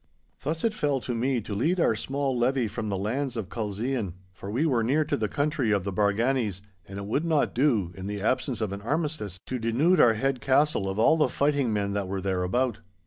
Thus it fell to me to lead our small levy from the lands of Culzean, for we were near to the country of the Barganies, and it would not do, in the absence of an armistice, to denude our head castle of all the fighting men that were thereabout.